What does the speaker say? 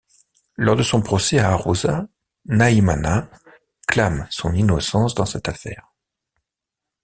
Lors de son procès à Arusha, Nahimana clame son innocence dans cette affaire.